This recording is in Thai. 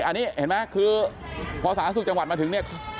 อันนี้เห็นไหมคือพอสาธารณสุขจังหวัดมาถึงเนี่ย